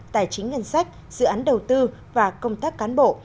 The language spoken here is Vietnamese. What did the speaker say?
tài chính ngân sách dự án đầu tư và công tác cán bộ